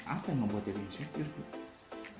apa yang membuatnya insecure